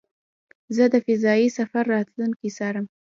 زه د فضایي سفر راتلونکی څارم.